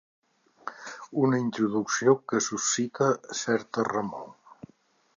Una introducció que suscita certa remor.